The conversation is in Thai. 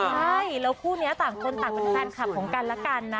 ใช่แล้วคู่นี้ต่างคนต่างเป็นแฟนคลับของกันและกันนะ